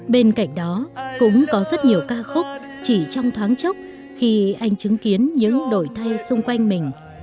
bên cạnh đó cũng có rất nhiều ca khúc chỉ trong thoáng chốc khi anh chứng kiến những đổi thay xung quanh mình